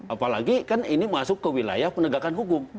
apalagi kan ini masuk ke wilayah penegakan hukum